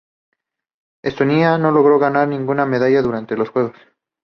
Estonia no logró ganar ninguna medalla durante los Juegos.